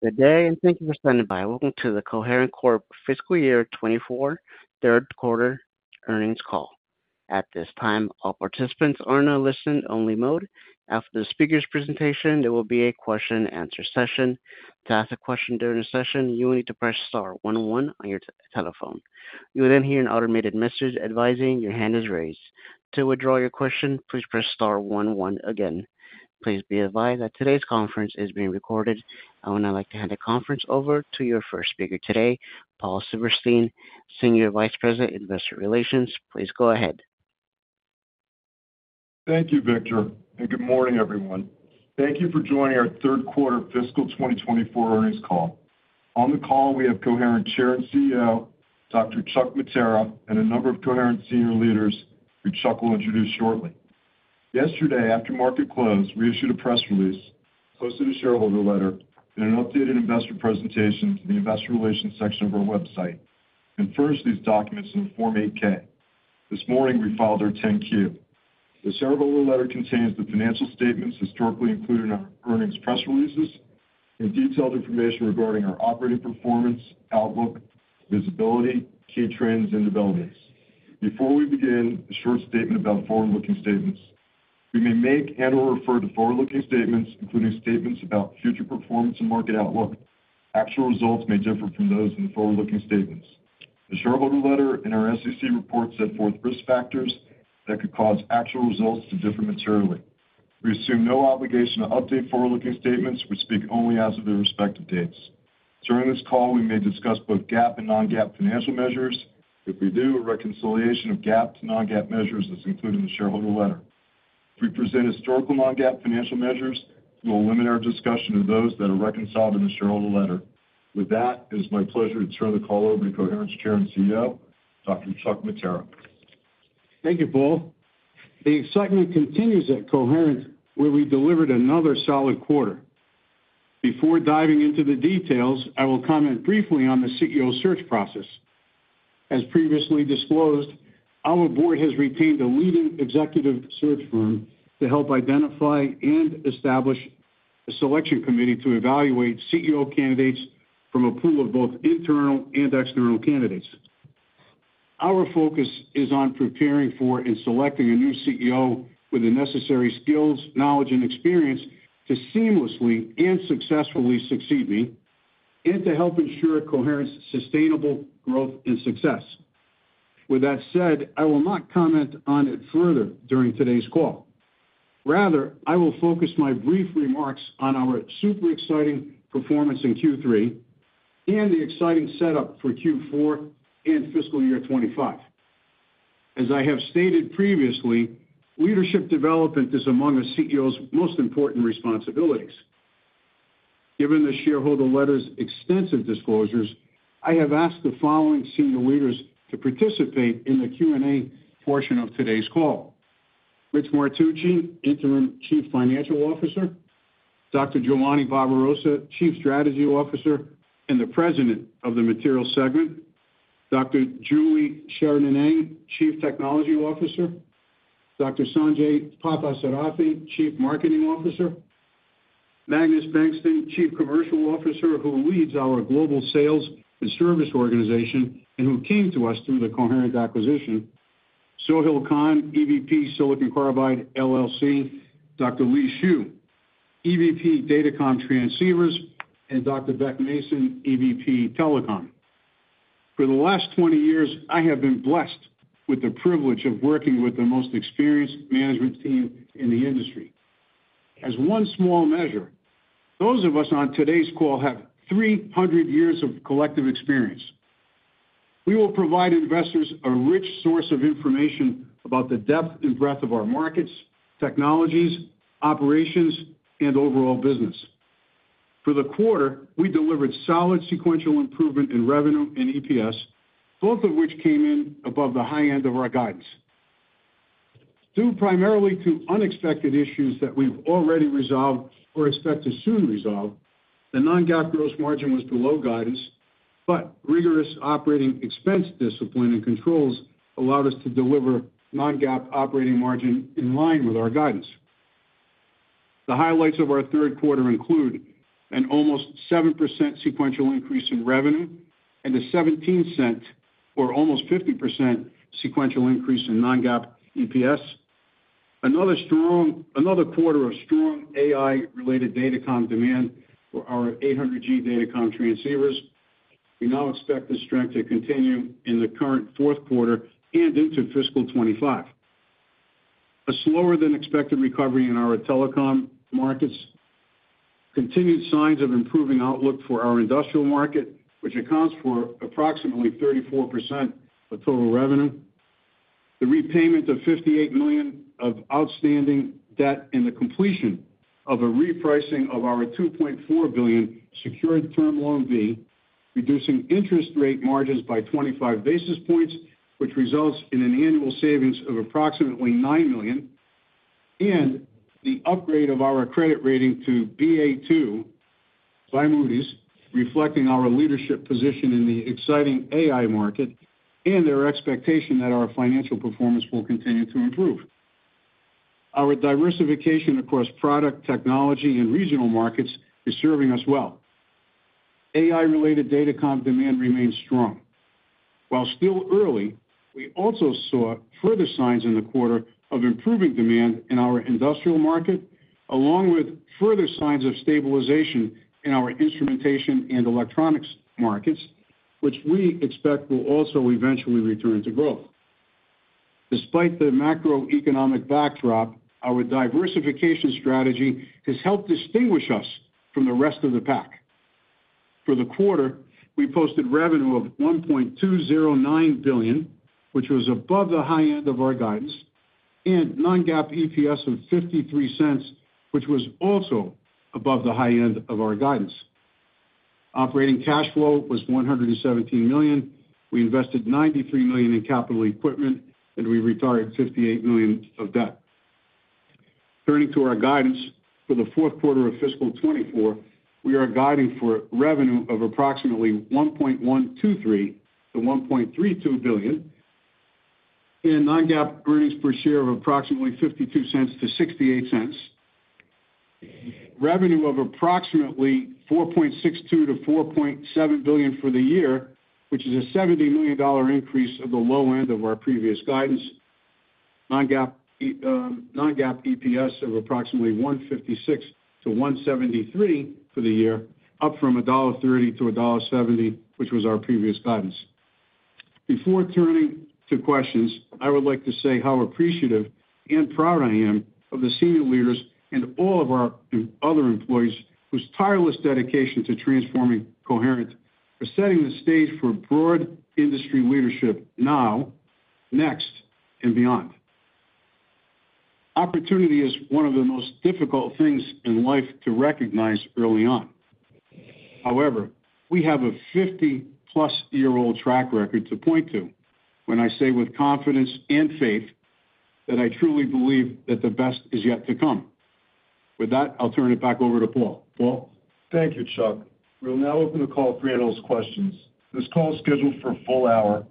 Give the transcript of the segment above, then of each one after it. Good day, and thank you for standing by. Welcome to the Coherent Corp Fiscal Year 2024 third quarter earnings call. At this time, all participants are in a listen-only mode. After the speaker's presentation, there will be a question-and-answer session. To ask a question during the session, you will need to press star one one on your telephone. You will then hear an automated message advising your hand is raised. To withdraw your question, please press star one one again. Please be advised that today's conference is being recorded. I would now like to hand the conference over to your first speaker today, Paul Silverstein, Senior Vice President, Investor Relations. Please go ahead. Thank you, Victor, and good morning, everyone. Thank you for joining our third quarter fiscal 2024 earnings call. On the call, we have Coherent Chair and CEO, Dr. Chuck Mattera, and a number of Coherent senior leaders, who Chuck will introduce shortly. Yesterday, after market close, we issued a press release, posted a shareholder letter and an updated investor presentation to the investor relations section of our website, and furnished these documents in Form 8-K. This morning, we filed our 10-Q. The shareholder letter contains the financial statements historically included in our earnings press releases and detailed information regarding our operating performance, outlook, visibility, key trends and developments. Before we begin, a short statement about forward-looking statements. We may make and/or refer to forward-looking statements, including statements about future performance and market outlook. Actual results may differ from those in the forward-looking statements. The shareholder letter in our SEC report set forth risk factors that could cause actual results to differ materially. We assume no obligation to update forward-looking statements, which speak only as of their respective dates. During this call, we may discuss both GAAP and non-GAAP financial measures. If we do, a reconciliation of GAAP to non-GAAP measures is included in the shareholder letter. If we present historical non-GAAP financial measures, we'll limit our discussion to those that are reconciled in the shareholder letter. With that, it is my pleasure to turn the call over to Coherent's Chair and CEO, Dr. Chuck Mattera. Thank you, Paul. The excitement continues at Coherent, where we delivered another solid quarter. Before diving into the details, I will comment briefly on the CEO search process. As previously disclosed, our board has retained a leading executive search firm to help identify and establish a selection committee to evaluate CEO candidates from a pool of both internal and external candidates. Our focus is on preparing for and selecting a new CEO with the necessary skills, knowledge and experience to seamlessly and successfully succeed me, and to help ensure Coherent's sustainable growth and success. With that said, I will not comment on it further during today's call. Rather, I will focus my brief remarks on our super exciting performance in Q3 and the exciting setup for Q4 and fiscal year 2025. As I have stated previously, leadership development is among a CEO's most important responsibilities. Given the shareholder letter's extensive disclosures, I have asked the following senior leaders to participate in the Q&A portion of today's call. Rich Martucci, Interim Chief Financial Officer, Dr. Giovanni Barbarossa, Chief Strategy Officer and the President of the Materials segment, Dr. Julie Sheridan Eng, Chief Technology Officer, Dr. Sanjai Parthasarathi, Chief Marketing Officer, Magnus Bengtsson, Chief Commercial Officer, who leads our global sales and service organization and who came to us through the Coherent acquisition, Sohail Khan, EVP, Silicon Carbide LLC, Dr. Lee Xu, EVP, Datacom Transceivers, and Dr. Beck Mason, EVP, Telecom. For the last 20 years, I have been blessed with the privilege of working with the most experienced management team in the industry. As one small measure, those of us on today's call have 300 years of collective experience. We will provide investors a rich source of information about the depth and breadth of our markets, technologies, operations, and overall business. For the quarter, we delivered solid sequential improvement in revenue and EPS, both of which came in above the high end of our guidance. Due primarily to unexpected issues that we've already resolved or expect to soon resolve, the non-GAAP gross margin was below guidance, but rigorous operating expense discipline and controls allowed us to deliver non-GAAP operating margin in line with our guidance. The highlights of our third quarter include an almost 7% sequential increase in revenue and a $0.17 or almost 50% sequential increase in non-GAAP EPS. Another strong quarter of strong AI-related Datacom demand for our 800G Datacom transceivers. We now expect this strength to continue in the current fourth quarter and into fiscal 2025. A slower-than-expected recovery in our telecom markets, continued signs of improving outlook for our industrial market, which accounts for approximately 34% of total revenue, the repayment of $58 million of outstanding debt, and the completion of a repricing of our $2.4 billion secured Term Loan B, reducing interest rate margins by 25 basis points, which results in an annual savings of approximately $9 million, and the upgrade of our credit rating to Ba2 by Moody's, reflecting our leadership position in the exciting AI market and their expectation that our financial performance will continue to improve. Our diversification across product, technology, and regional markets is serving us well. AI-related Datacom demand remains strong. While still early, we also saw further signs in the quarter of improving demand in our industrial market, along with further signs of stabilization in our instrumentation and electronics markets, which we expect will also eventually return to growth. Despite the macroeconomic backdrop, our diversification strategy has helped distinguish us from the rest of the pack. For the quarter, we posted revenue of $1.209 billion, which was above the high end of our guidance, and non-GAAP EPS of $0.53, which was also above the high end of our guidance. Operating cash flow was $117 million. We invested $93 million in capital equipment, and we retired $58 million of debt. Turning to our guidance for the fourth quarter of fiscal 2024, we are guiding for revenue of approximately $1.123 billion-$1.32 billion, and non-GAAP earnings per share of approximately $0.52-$0.68. Revenue of approximately $4.62 billion-$4.7 billion for the year, which is a $70 million increase of the low end of our previous guidance. Non-GAAP, non-GAAP EPS of approximately $1.56-$1.73 for the year, up from $1.30-$1.70, which was our previous guidance. Before turning to questions, I would like to say how appreciative and proud I am of the senior leaders and all of our other employees, whose tireless dedication to transforming Coherent are setting the stage for broad industry leadership now, next, and beyond. Opportunity is one of the most difficult things in life to recognize early on. However, we have a 50-plus-year-old track record to point to when I say with confidence and faith, that I truly believe that the best is yet to come. With that, I'll turn it back over to Paul. Paul? Thank you, Chuck. We'll now open the call for analyst questions. This call is scheduled for a full hour.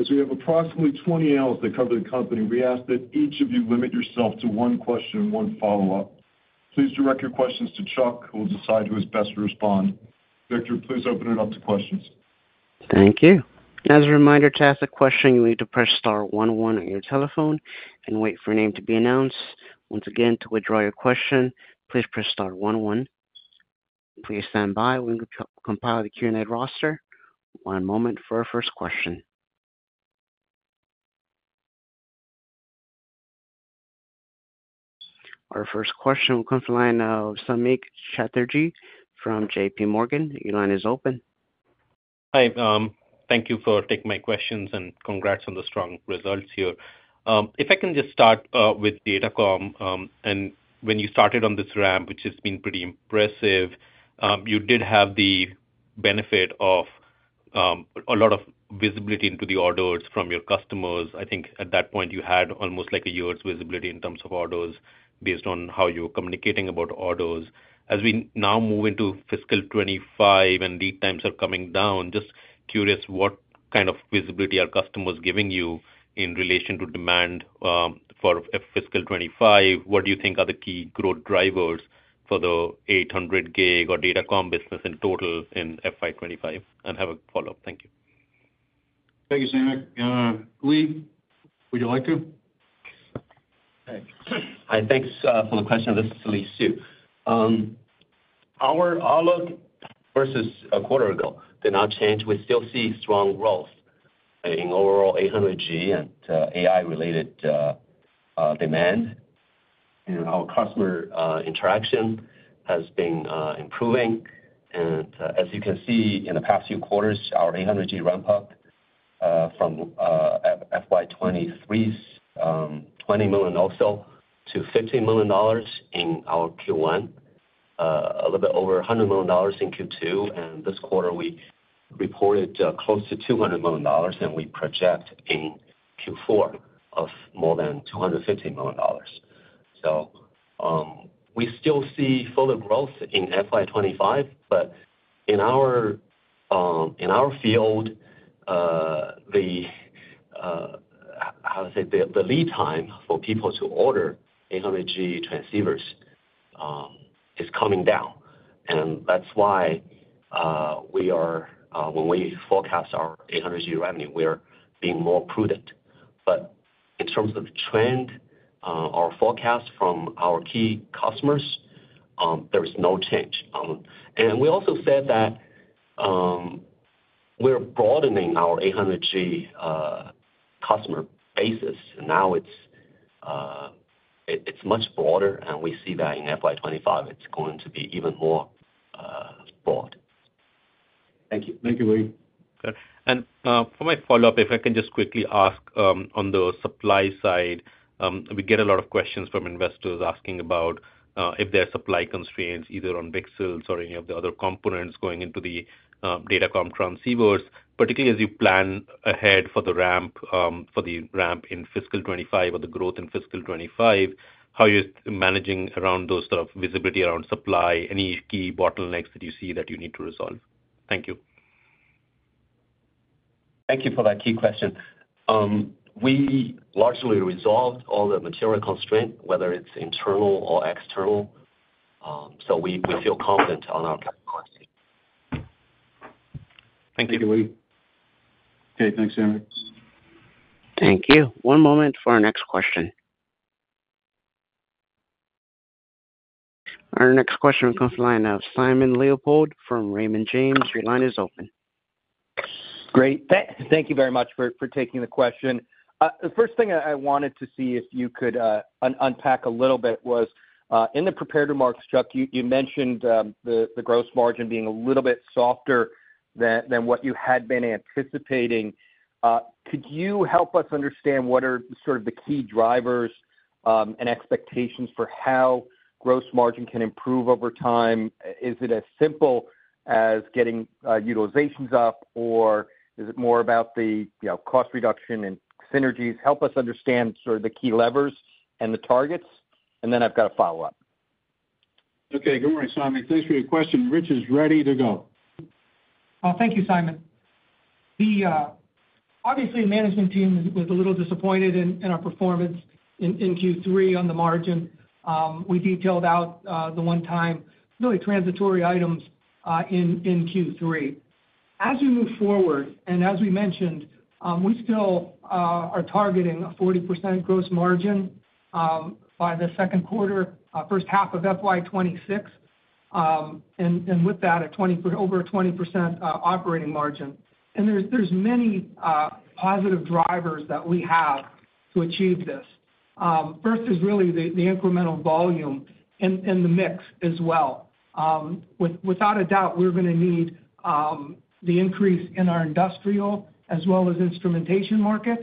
As we have approximately 20 analysts that cover the company, we ask that each of you limit yourself to one question and one follow-up. Please direct your questions to Chuck, who will decide who is best to respond. Victor, please open it up to questions. Thank you. As a reminder, to ask a question, you need to press star one one on your telephone and wait for your name to be announced. Once again, to withdraw your question, please press star one one. Please stand by. We're going to compile the Q&A roster. One moment for our first question. Our first question will come from the line of Samik Chatterjee from J.P. Morgan. Your line is open. Hi, thank you for taking my questions, and congrats on the strong results here. If I can just start with Datacom, and when you started on this ramp, which has been pretty impressive, you did have the benefit of a lot of visibility into the orders from your customers. I think at that point, you had almost like a year's visibility in terms of orders based on how you were communicating about orders. As we now move into fiscal 2025 and lead times are coming down, just curious, what kind of visibility are customers giving you in relation to demand for fiscal 2025? What do you think are the key growth drivers for the 800G or Datacom business in total in FY 2025? And have a follow-up. Thank you. Thank you, Samik. Lee, would you like to? Hi, thanks for the question. This is Lee Xu. Our outlook versus a quarter ago did not change. We still see strong growth in overall 800G and AI-related demand, and our customer interaction has been improving. As you can see, in the past few quarters, our 800G ramp up from FY 2023's $20 million or so to $15 million in our Q1, a little bit over $100 million in Q2, and this quarter we reported close to $200 million, and we project in Q4 of more than $250 million. So, we still see further growth in FY 2025, but in our field, the lead time for people to order 800G transceivers is coming down. And that's why, when we forecast our 800G revenue, we are being more prudent. But in terms of trend, our forecast from our key customers, there is no change. And we also said that, we're broadening our 800G customer basis, and now it's much broader, and we see that in FY 2025, it's going to be even more broad. Thank you. Thank you, Lee. For my follow-up, if I can just quickly ask, on the supply side, we get a lot of questions from investors asking about, if there are supply constraints, either on VCSELs or any of the other components going into the, Datacom transceivers, particularly as you plan ahead for the ramp, for the ramp in fiscal 2025 or the growth in fiscal 2025, how are you managing around those sort of visibility around supply? Any key bottlenecks that you see that you need to resolve? Thank you. Thank you for that key question. We largely resolved all the material constraint, whether it's internal or external. So we feel confident on our capacity. Thank you, Lee. Okay, thanks, Samik. Thank you. One moment for our next question. Our next question comes from the line of Simon Leopold from Raymond James. Your line is open. Great. Thank you very much for taking the question. The first thing I wanted to see if you could unpack a little bit was in the prepared remarks, Chuck, you mentioned the gross margin being a little bit softer than what you had been anticipating. Could you help us understand what are sort of the key drivers and expectations for how gross margin can improve over time? Is it as simple as getting utilizations up, or is it more about the, you know, cost reduction and synergies? Help us understand sort of the key levers and the targets, and then I've got a follow-up. Okay. Good morning, Simon. Thanks for your question. Rich is ready to go. Well, thank you, Simon. The obviously, the management team is, was a little disappointed in, in our performance in, in Q3 on the margin. We detailed out, the one time, really transitory items, in, in Q3. As we move forward, and as we mentioned, we still, are targeting a 40% gross margin, by the second quarter, first half of FY 2026. And, and with that, a 20%—over a 20% operating margin. And there's, there's many, positive drivers that we have to achieve this. First is really the, the incremental volume and, and the mix as well. With- without a doubt, we're gonna need, the increase in our industrial as well as instrumentation markets.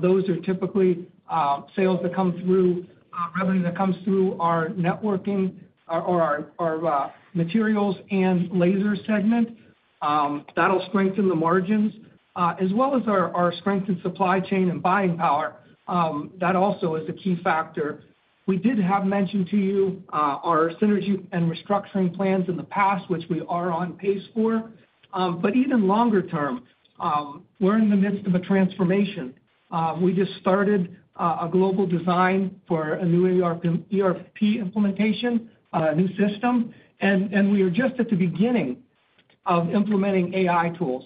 Those are typically sales that come through revenue that comes through our networking or our materials and laser segment. That'll strengthen the margins as well as our strengthened supply chain and buying power, that also is a key factor. We did have mentioned to you our synergy and restructuring plans in the past, which we are on pace for. But even longer term, we're in the midst of a transformation. We just started a global design for a new ERP implementation, a new system, and we are just at the beginning of implementing AI tools.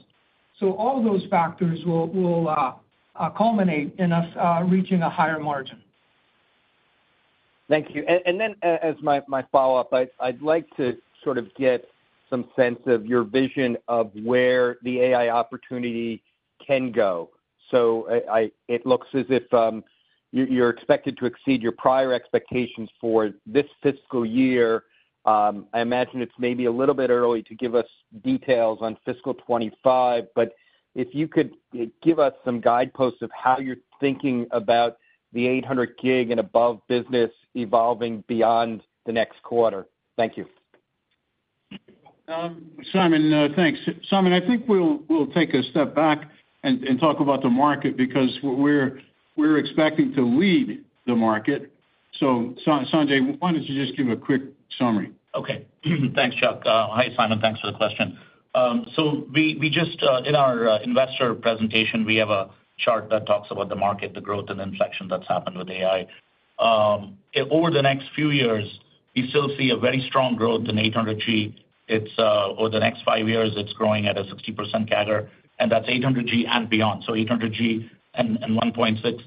So all of those factors will culminate in us reaching a higher margin. Thank you. And then as my follow-up, I'd like to sort of get some sense of your vision of where the AI opportunity can go. So it looks as if you're expected to exceed your prior expectations for this fiscal year. I imagine it's maybe a little bit early to give us details on fiscal 2025, but if you could give us some guideposts of how you're thinking about the 800 Gig and above business evolving beyond the next quarter. Thank you. Simon, thanks. Simon, I think we'll take a step back and talk about the market, because we're expecting to lead the market. So Sanjai, why don't you just give a quick summary? Okay. Thanks, Chuck. Hi, Simon. Thanks for the question. So we just in our investor presentation, we have a chart that talks about the market, the growth, and inflection that's happened with AI. Over the next few years, we still see a very strong growth in 800G. It's over the next 5 years, it's growing at a 60% CAGR, and that's 800G and beyond, so 800G and 1.6.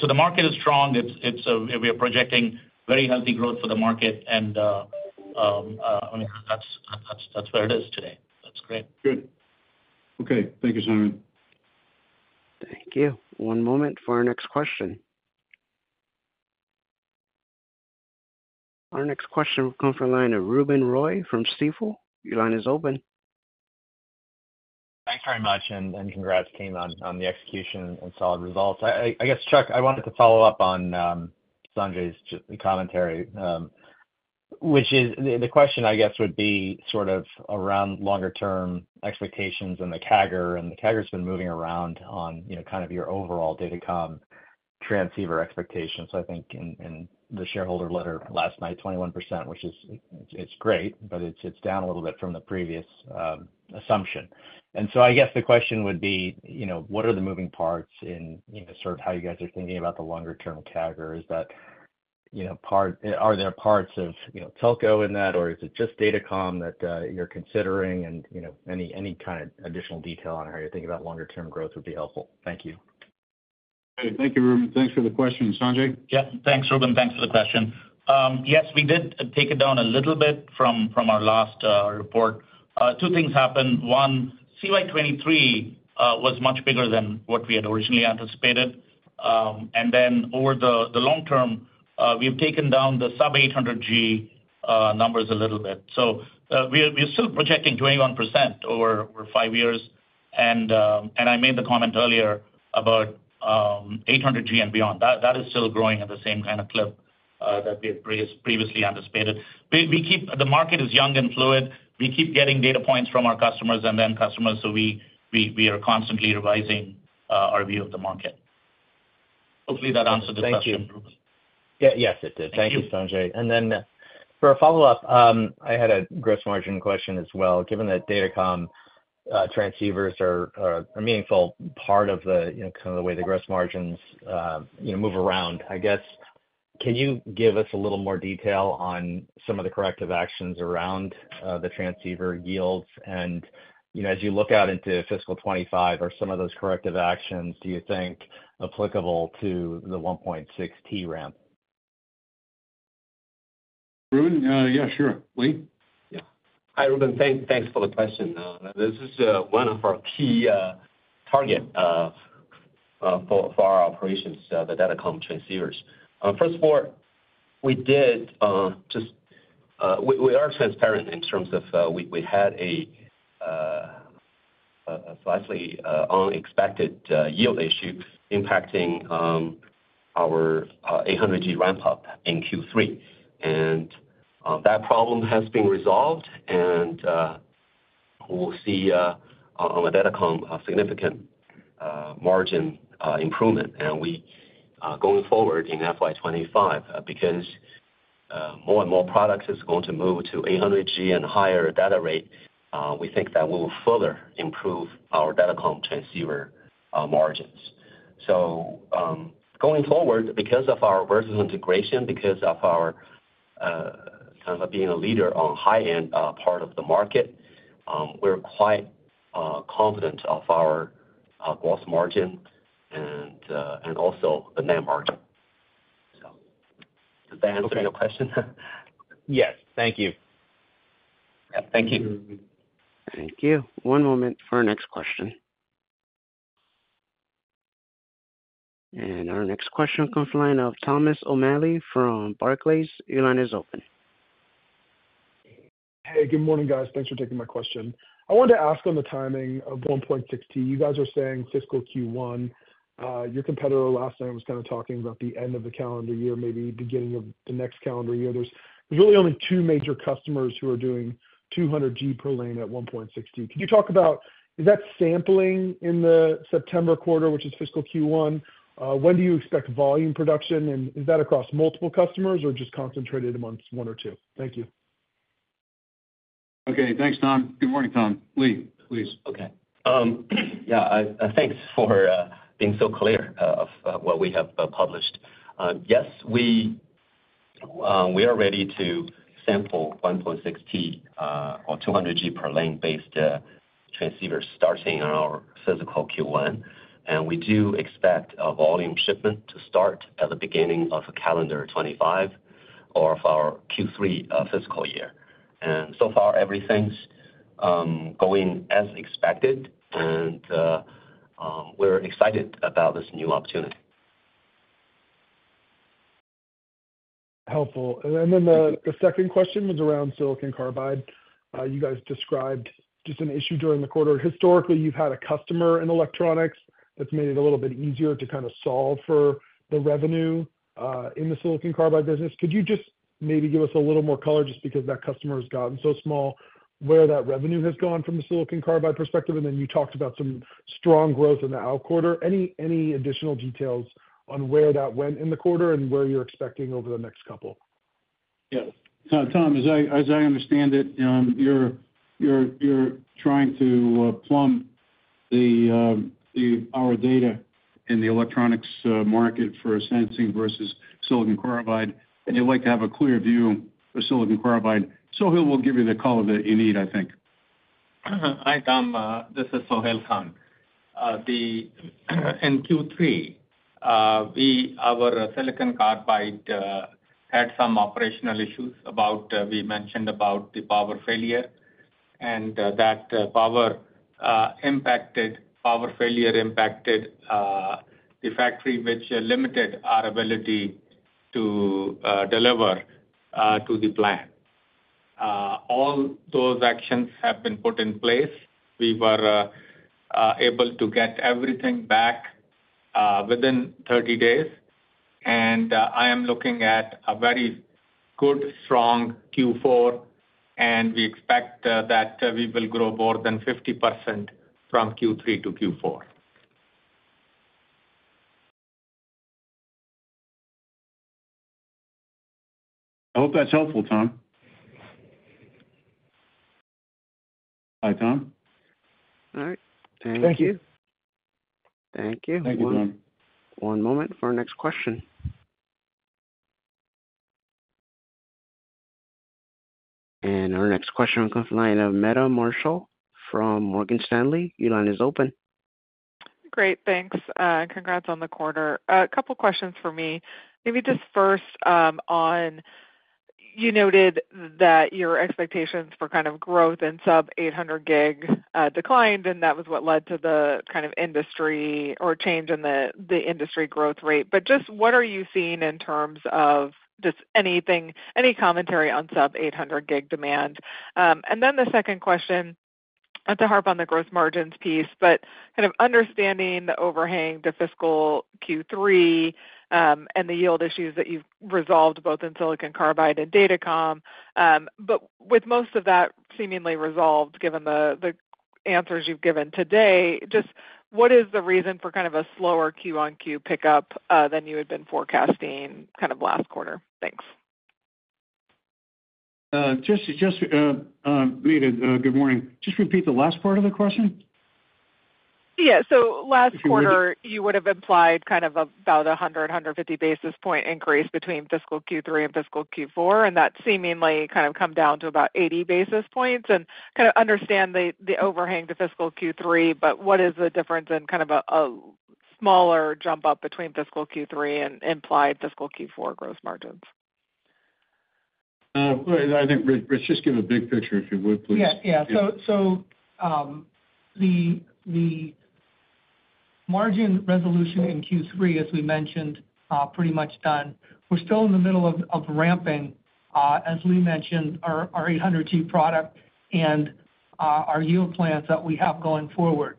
So the market is strong. We are projecting very healthy growth for the market, and that's where it is today. That's great. Good. Okay. Thank you, Simon. Thank you. One moment for our next question. Our next question will come from the line of Ruben Roy from Stifel. Your line is open. Thanks very much, and congrats, team, on the execution and solid results. I guess, Chuck, I wanted to follow up on Sanjai's commentary, which is... The question, I guess, would be sort of around longer-term expectations and the CAGR, and the CAGR's been moving around on, you know, kind of your overall datacom transceiver expectations. So I think in the shareholder letter last night, 21%, which is, it's great, but it's down a little bit from the previous assumption. And so I guess the question would be, you know, what are the moving parts in, you know, sort of how you guys are thinking about the longer-term CAGR? Is that, you know, are there parts of, you know, telco in that, or is it just datacom that you're considering? You know, any, any kind of additional detail on how you're thinking about longer-term growth would be helpful. Thank you. Great. Thank you, Ruben. Thanks for the question. Sanjai? Yeah. Thanks, Ruben. Thanks for the question. Yes, we did take it down a little bit from our last report. Two things happened. One, CY 2023 was much bigger than what we had originally anticipated. And then over the long term, we've taken down the sub-800G numbers a little bit. So, we are still projecting 21% over five years, and I made the comment earlier about 800G and beyond. That is still growing at the same kind of clip that we had previously anticipated. The market is young and fluid. We keep getting data points from our customers and then customers, so we are constantly revising our view of the market. Hopefully that answered the question. Thank you. Yeah. Yes, it did. Thank you, Sanjai. Then for a follow-up, I had a gross margin question as well. Given that Datacom transceivers are a meaningful part of the, you know, kind of the way the gross margins, you know, move around, I guess, can you give us a little more detail on some of the corrective actions around the transceiver yields? And, you know, as you look out into fiscal 2025, are some of those corrective actions, do you think, applicable to the 1.6T ramp? Ruben, yeah, sure. Lee? Yeah. Hi, Ruben. Thanks for the question. This is one of our key target for our operations, the Datacom transceivers. First of all, we are transparent in terms of, we had a slightly unexpected yield issue impacting our 800G ramp up in Q3. And that problem has been resolved, and we'll see on the Datacom a significant margin improvement. And we going forward in FY 2025, because more and more products is going to move to 800G and higher data rate, we think that will further improve our Datacom transceiver margins. So, going forward, because of our vertical integration, because of our kind of being a leader on high-end part of the market, we're quite confident of our gross margin and also the net margin. So does that answer your question? Yes. Thank you. Yeah, thank you. Thank you. One moment for our next question. Our next question comes from the line of Thomas O'Malley from Barclays. Your line is open. Hey, good morning, guys. Thanks for taking my question. I wanted to ask on the timing of 1.6T. You guys are saying fiscal Q1. Your competitor last night was kind of talking about the end of the calendar year, maybe beginning of the next calendar year. There's really only two major customers who are doing 200G per lane at 1.6T. Could you talk about, is that sampling in the September quarter, which is fiscal Q1? When do you expect volume production, and is that across multiple customers or just concentrated amongst one or two? Thank you. Okay, thanks, Tom. Good morning, Tom. Lee, please. Okay. Yeah, thanks for being so clear of what we have published. Yes, we are ready to sample 1.6T or 200G per lane-based transceiver starting in our fiscal Q1, and we do expect a volume shipment to start at the beginning of calendar 2025 or for our Q3 fiscal year. So far, everything's going as expected, and we're excited about this new opportunity. Helpful. And then the second question was around silicon carbide. You guys described just an issue during the quarter. Historically, you've had a customer in electronics that's made it a little bit easier to kind of solve for the revenue in the silicon carbide business. Could you just maybe give us a little more color, just because that customer has gotten so small, where that revenue has gone from a silicon carbide perspective? And then you talked about some strong growth in the out quarter. Any additional details on where that went in the quarter and where you're expecting over the next couple? Yes, Tom, as I understand it, you're trying to plumb our data in the electronics market for sensing versus silicon carbide, and you'd like to have a clear view for silicon carbide. Sohail will give you the call that you need, I think. Hi, Tom. This is Sohail Khan. In Q3, our Silicon Carbide had some operational issues. We mentioned about the power failure, and that power failure impacted the factory, which limited our ability to deliver to the plan. All those actions have been put in place. We were able to get everything back within 30 days, and I am looking at a very good, strong Q4, and we expect that we will grow more than 50% from Q3 to Q4. I hope that's helpful, Tom. Bye, Tom. All right. Thank you. Thank you. Thank you, Tom. One moment for our next question. And our next question comes from the line of Meta Marshall from Morgan Stanley. Your line is open. Great, thanks. Congrats on the quarter. A couple questions for me. Maybe just first, on—you noted that your expectations for kind of growth in sub-800 gig declined, and that was what led to the kind of industry or change in the industry growth rate. But just what are you seeing in terms of just anything, any commentary on sub-800 gig demand? And then the second question, not to harp on the growth margins piece, but kind of understanding the overhang to fiscal Q3, and the yield issues that you've resolved, both in silicon carbide and Datacom, but with most of that seemingly resolved, given the answers you've given today, just what is the reason for kind of a slower Q-on-Q pickup than you had been forecasting kind of last quarter? Thanks. Just—Meta, good morning. Just repeat the last part of the question. Yeah, so last quarter, you would have implied kind of about 100-150 basis point increase between fiscal Q3 and fiscal Q4, and that seemingly kind of come down to about 80 basis points. And kind of understand the overhang to fiscal Q3, but what is the difference in kind of a smaller jump up between fiscal Q3 and implied fiscal Q4 growth margins? Well, I think, Rich, just give a big picture, if you would, please. Yes. Yeah. So, the margin resolution in Q3, as we mentioned, pretty much done. We're still in the middle of ramping, as Lee mentioned, our 800G product and our yield plans that we have going forward.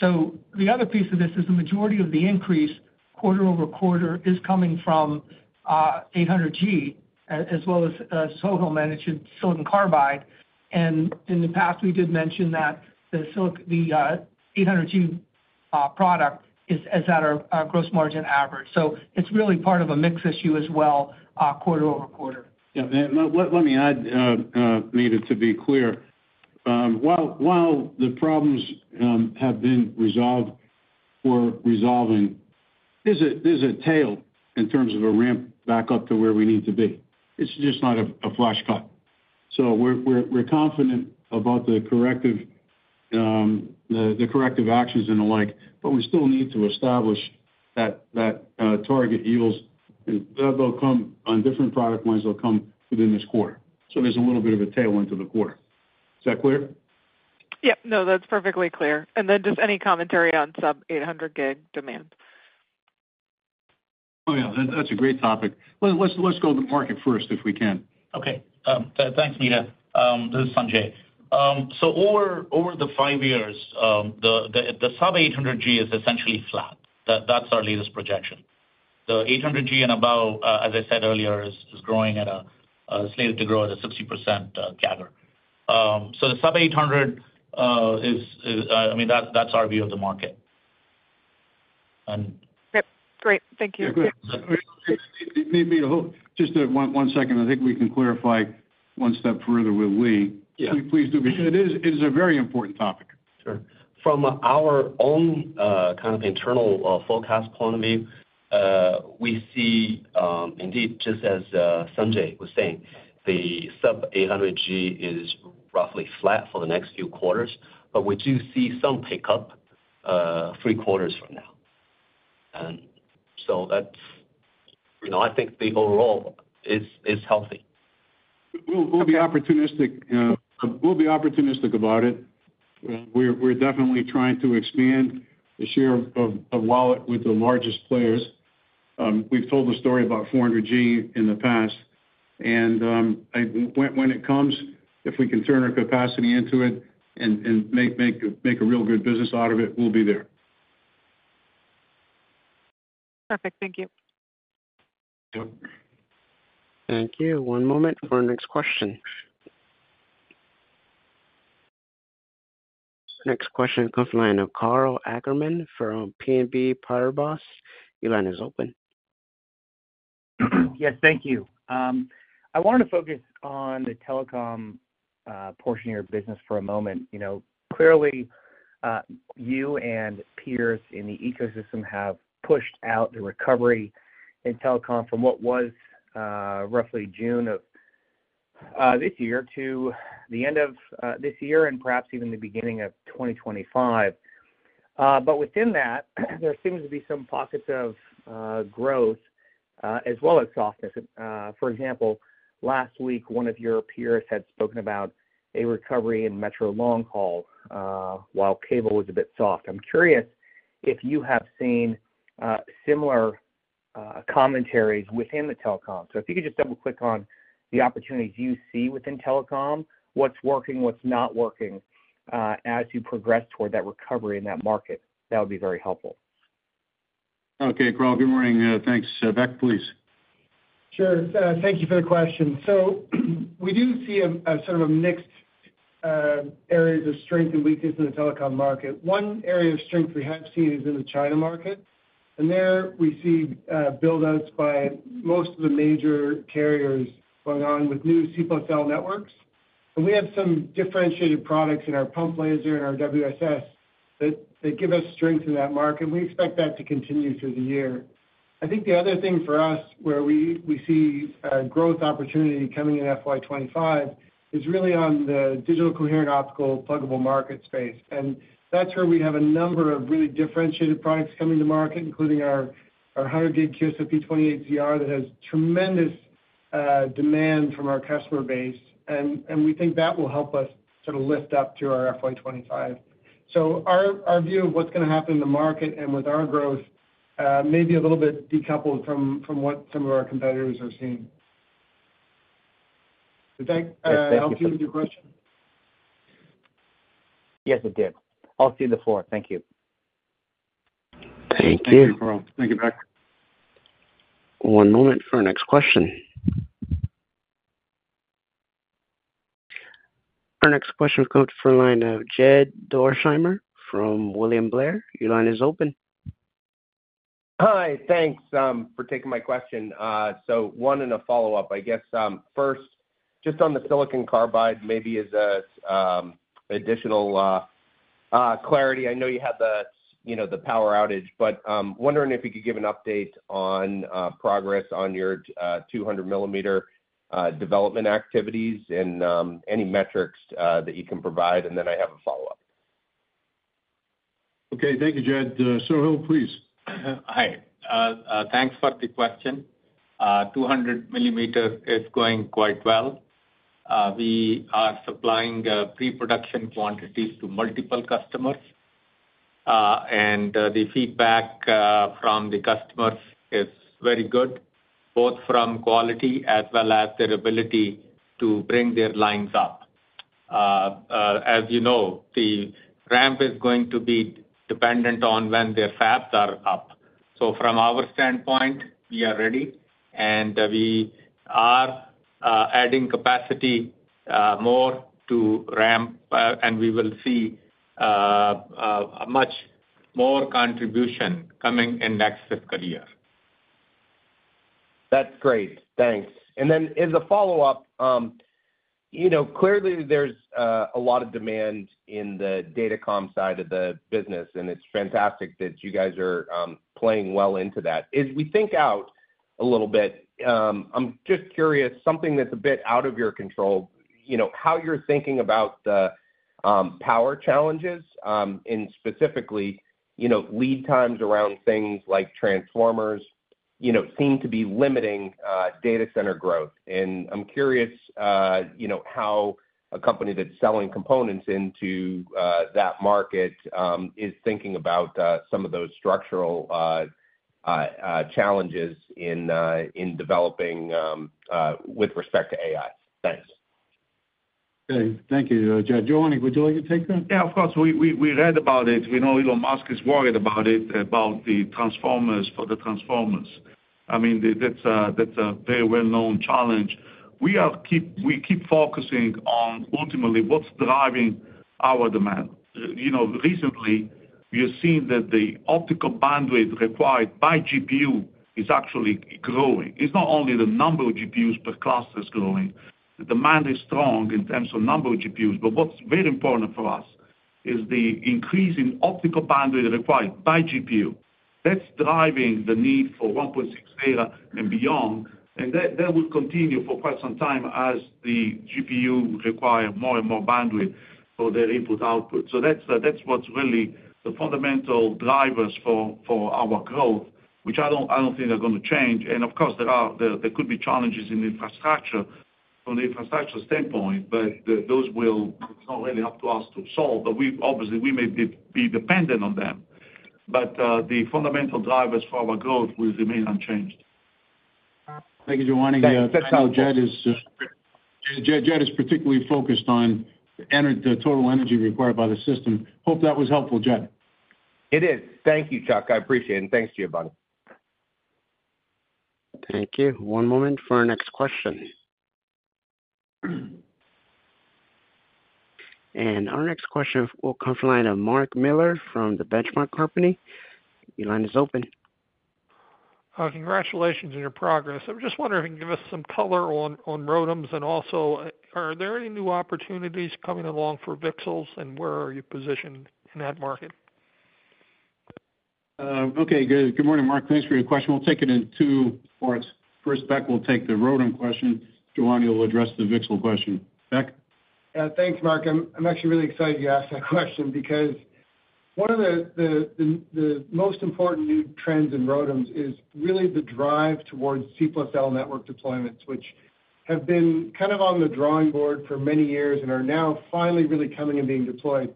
So the other piece of this is the majority of the increase quarter-over-quarter is coming from 800G, as well as Sohail, and it's silicon carbide. And in the past, we did mention that the 800G product is at our gross margin average. So it's really part of a mix issue as well, quarter-over-quarter. Yeah, let me add, Meta, to be clear. While the problems have been resolved or resolving, there's a tail in terms of a ramp back up to where we need to be. It's just not a flash cut. So we're confident about the corrective actions and the like, but we still need to establish that target yields, and they'll come on different product lines, they'll come within this quarter. So there's a little bit of a tail into the quarter. Is that clear? Yeah. No, that's perfectly clear. And then just any commentary on sub-800 gig demand? Oh, yeah, that's a great topic. Let's, let's go to the market first, if we can. Okay. Thanks, Meta. This is Sanjai. So over the 5 years, the sub-800G is essentially flat. That's our latest projection. The 800G and above, as I said earlier, is slated to grow at a 60% CAGR. So the sub-800G is—I mean, that's our view of the market. Yep, great. Thank you. Maybe hold just one second. I think we can clarify one step further with Lee. Yeah. Please do, because it is, it is a very important topic. Sure. From our own, kind of internal, forecast point of view, we see, indeed, just as, Sanjai was saying, the sub-800G is roughly flat for the next few quarters, but we do see some pickup, 3 quarters from now. And so that's—you know, I think the overall is, is healthy. We'll be opportunistic about it. Yeah. We're definitely trying to expand the share of wallet with the largest players. We've told the story about 400G in the past, and when it comes, if we can turn our capacity into it and make a real good business out of it, we'll be there. Perfect. Thank you. Yep. Thank you. One moment for our next question. Next question comes from the line of Karl Ackerman from BNP Paribas. Your line is open. Yes, thank you. I wanted to focus on the telecom portion of your business for a moment. You know, clearly, you and peers in the ecosystem have pushed out the recovery in telecom from what was roughly June of this year to the end of this year and perhaps even the beginning of 2025. But within that, there seems to be some pockets of growth as well as softness. For example, last week, one of your peers had spoken about a recovery in metro long haul while cable was a bit soft. I'm curious if you have seen similar commentaries within the telecom. So if you could just double-click on the opportunities you see within telecom, what's working, what's not working, as you progress toward that recovery in that market, that would be very helpful. Okay, Karl, good morning. Thanks. Beck, please. Sure. Thank you for the question. So we do see a sort of mixed areas of strength and weakness in the telecom market. One area of strength we have seen is in the China market, and there we see build outs by most of the major carriers going on with new C+L networks. And we have some differentiated products in our pump laser and our WSS, that give us strength in that market, and we expect that to continue through the year. I think the other thing for us, where we see growth opportunity coming in FY 2025, is really on the digital coherent optical pluggable market space. And that's where we have a number of really differentiated products coming to market, including our, our 100G QSFP28-ZR, that has tremendous, demand from our customer base, and, and we think that will help us sort of lift up to our FY 2025. So our, our view of what's going to happen in the market and with our growth, may be a little bit decoupled from, from what some of our competitors are seeing. Did that, help you with your question? Yes, it did. I'll cede the floor. Thank you. Thank you. Thank you, Karl. Thank you, Beck. One moment for our next question. Our next question comes from the line of Jed Dorsheimer from William Blair. Your line is open. Hi, thanks for taking my question. So one in a follow-up, I guess. First, just on the silicon carbide, maybe as a additional clarity. I know you had the, you know, the power outage, but wondering if you could give an update on progress on your 200 millimeter development activities and any metrics that you can provide, and then I have a follow-up. Okay, thank you, Jed. Sohail, please. Hi. Thanks for the question. 200 millimeters is going quite well. We are supplying pre-production quantities to multiple customers. And the feedback from the customers is very good, both from quality as well as their ability to bring their lines up. As you know, the ramp is going to be dependent on when their fabs are up. So from our standpoint, we are ready, and we are adding capacity more to ramp, and we will see much more contribution coming in next fiscal year. That's great. Thanks. And then as a follow-up, you know, clearly there's a lot of demand in the datacom side of the business, and it's fantastic that you guys are playing well into that. As we think out a little bit, I'm just curious, something that's a bit out of your control, you know, how you're thinking about the power challenges, and specifically, you know, lead times around things like transformers, you know, seem to be limiting data center growth. And I'm curious, you know, how a company that's selling components into that market is thinking about some of those structural challenges in developing with respect to AI? Thanks. Okay. Thank you, Jed. Giovanni, would you like to take that? Yeah, of course. We read about it. We know Elon Musk is worried about it, about the transformers for the transformers. I mean, that's a very well-known challenge. We keep focusing on ultimately what's driving our demand. You know, recently, we have seen that the optical bandwidth required by GPU is actually growing. It's not only the number of GPUs, but cost is growing. The demand is strong in terms of number of GPUs, but what's very important for us is the increase in optical bandwidth required by GPU. That's driving the need for 1.6 data and beyond, and that will continue for quite some time as the GPU require more and more bandwidth for their input, output. So that's what's really the fundamental drivers for our growth, which I don't think they're gonna change. And of course, there could be challenges in the infrastructure from the infrastructure standpoint, but those will... It's not really up to us to solve, but we've obviously we may be dependent on them. But the fundamental drivers for our growth will remain unchanged. Thank you, Giovanni. That's— Jed is particularly focused on the total energy required by the system. Hope that was helpful, Jed. It is. Thank you, Chuck. I appreciate it, and thanks to you both. Thank you. One moment for our next question. Our next question will come from the line of Mark Miller from The Benchmark Company. Your line is open. Congratulations on your progress. I was just wondering if you could give us some color on, on ROADMs, and also, are there any new opportunities coming along for VCSELs, and where are you positioned in that market? Okay, good. Good morning, Mark. Thanks for your question. We'll take it in two parts. First, Beck will take the ROADM question. Giovanni will address the VCSEL question. Beck? Thanks, Mark. I'm actually really excited you asked that question, because one of the most important new trends in ROADMs is really the drive towards C+L network deployments, which have been kind of on the drawing board for many years and are now finally really coming and being deployed.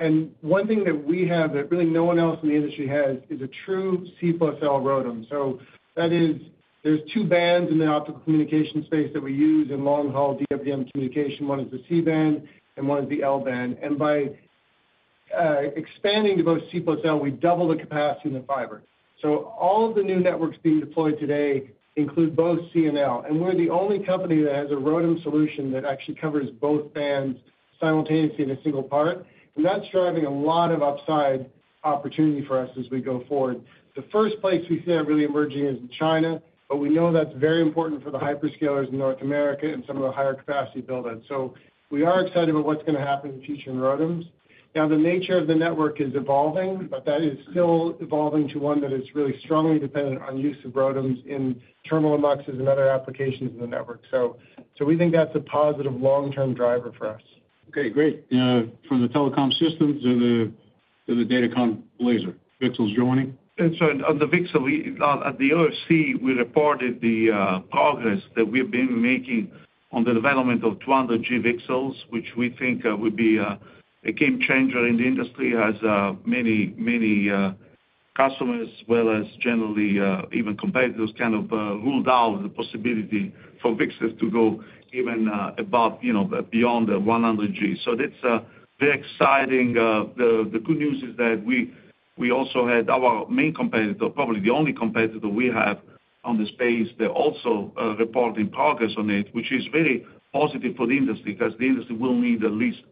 And one thing that we have that really no one else in the industry has is a true C+L ROADM. So that is, there's two bands in the optical communication space that we use in long-haul DWDM communication. One is the C band and one is the L band. And by expanding to both C+L, we double the capacity in the fiber. So all of the new networks being deployed today include both C and L, and we're the only company that has a ROADM solution that actually covers both bands simultaneously in a single part, and that's driving a lot of upside opportunity for us as we go forward. The first place we see that really emerging is in China, but we know that's very important for the hyperscalers in North America and some of the higher capacity build-outs. So we are excited about what's gonna happen in the future in ROADMs. Now, the nature of the network is evolving, but that is still evolving to one that is really strongly dependent on use of ROADMs in terminal boxes and other applications in the network. So we think that's a positive long-term driver for us. Okay, great. From the telecom systems to the datacom laser, VCSELs, Giovanni? And so on the VCSEL, we at the OFC reported the progress that we've been making on the development of 200G VCSELs, which we think would be a game changer in the industry, as many, many customers, as well as generally even competitors kind of ruled out the possibility for VCSELs to go even above, you know, beyond the 100G. So that's very exciting. The good news is that we also had our main competitor, probably the only competitor we have in the space, they're also reporting progress on it, which is very positive for the industry, 'cause the industry will need at least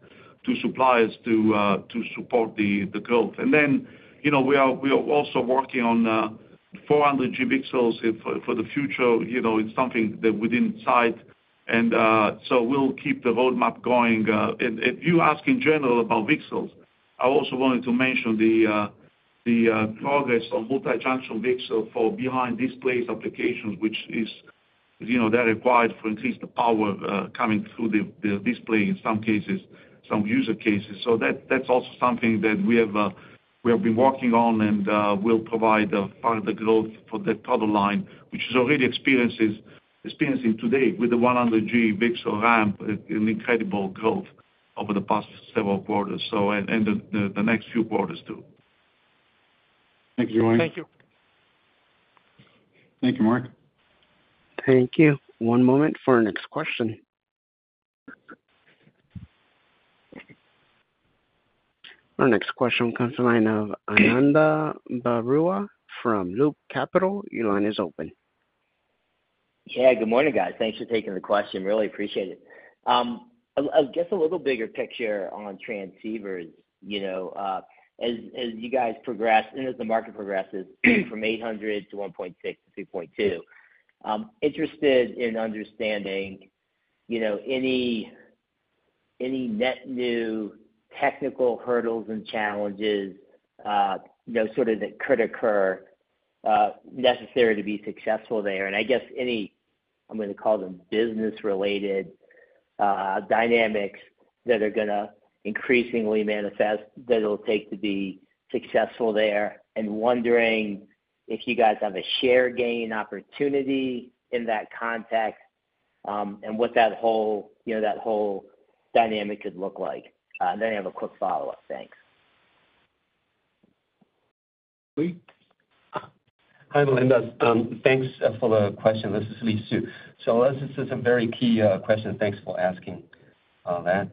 two suppliers to support the growth. And then, you know, we are also working on 400G VCSELs for the future. You know, it's something that's within sight, and so we'll keep the roadmap going. And you ask in general about VCSELs, I also wanted to mention the progress on multi-junction VCSEL for behind display applications, which is, you know, they're required to increase the power coming through the display, in some cases, some user cases. So that's also something that we have been working on, and we'll provide further growth for that product line, which is already experiencing today with the 100G VCSEL ramp, an incredible growth over the past several quarters, so and the next few quarters, too. Thank you, Giovanni. Thank you. Thank you, Mark. Thank you. One moment for our next question. Our next question comes from the line of Ananda Baruah from Loop Capital. Your line is open. Yeah, good morning, guys. Thanks for taking the question. Really appreciate it. I'll guess a little bigger picture on transceivers, you know, as you guys progress and as the market progresses from 800 to 1.6 to 3.2, I'm interested in understanding, you know, any net new technical hurdles and challenges, you know, sort of that could occur, necessary to be successful there. And I guess any, I'm gonna call them business-related dynamics that are gonna increasingly manifest, that it'll take to be successful there. And wondering if you guys have a share gain opportunity in that context, and what that whole, you know, that whole dynamic could look like? Then I have a quick follow-up. Thanks. Lee? Hi, Ananda. Thanks for the question. This is Lee Xu. So this is a very key question. Thanks for asking that.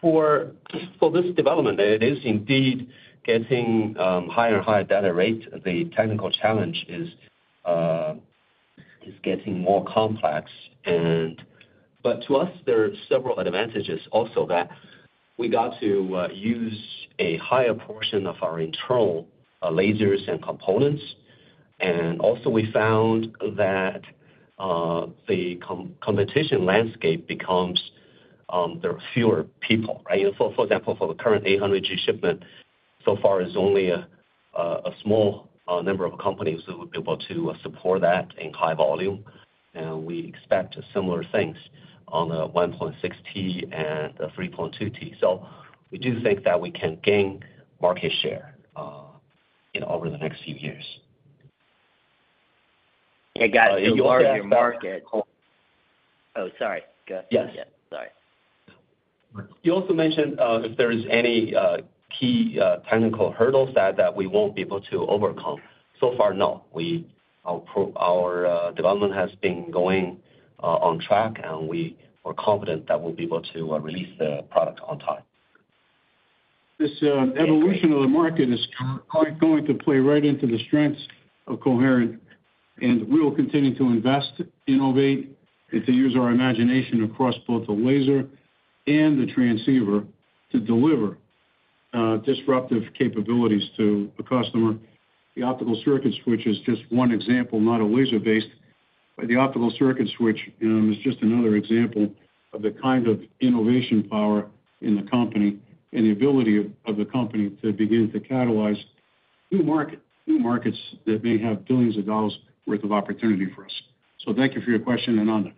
For this development, it is indeed getting higher and higher data rate. The technical challenge is getting more complex and—but to us, there are several advantages also that we got to use a higher portion of our internal lasers and components. And also we found that the competition landscape becomes, there are fewer people, right? So for example, for the current 800G shipment, so far is only a small number of companies that would be able to support that in high volume, and we expect similar things on the 1.6T and the 3.2T. So we do think that we can gain market share, you know, over the next few years. Hey, guys, if you look at your market— We look at that— Oh, sorry, go. Yes. Yeah, sorry. You also mentioned if there is any key technical hurdles that we won't be able to overcome. So far, no. We, our development has been going on track, and we are confident that we'll be able to release the product on time. This evolution of the market is quite going to play right into the strengths of Coherent, and we will continue to invest, innovate, and to use our imagination across both the laser and the transceiver to deliver disruptive capabilities to the customer. The optical circuit switch is just one example, not a laser-based. But the optical circuit switch, you know, is just another example of the kind of innovation power in the company and the ability of the company to begin to catalyze new markets, new markets that may have billions of dollars worth of opportunity for us. So thank you for your question, Ananda.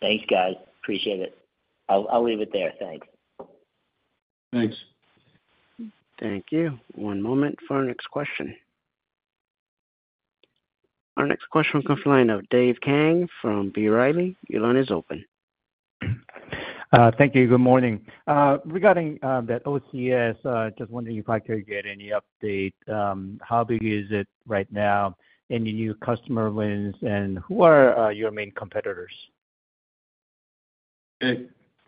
Thanks, guys. Appreciate it. I'll, I'll leave it there. Thanks. Thanks. Thank you. One moment for our next question. Our next question comes from the line of Dave Kang from B. Riley. Your line is open. Thank you. Good morning. Regarding that OCS, just wondering if I could get any update. How big is it right now? Any new customer wins, and who are your main competitors?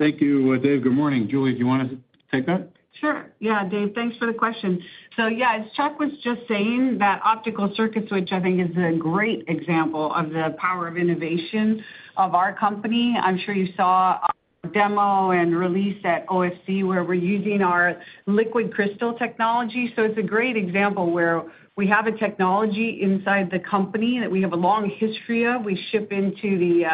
Thank you, Dave. Good morning. Julie, do you want to take that? Sure. Yeah, Dave, thanks for the question. So yeah, as Chuck was just saying, that optical circuit switch, I think, is a great example of the power of innovation of our company. I'm sure you saw a demo and release at OFC, where we're using our liquid crystal technology. So it's a great example where we have a technology inside the company that we have a long history of. We ship into the